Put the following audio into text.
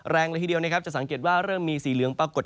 แรงละทีเดียวนะครับจะสังเกตว่าเริ่มมีสีเหลืองปรากฏ